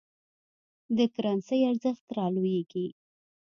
د کرنسۍ ارزښت رالویږي.